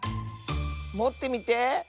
もってみて。